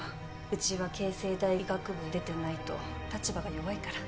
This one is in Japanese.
うちは慶西大医学部を出てないと立場が弱いから。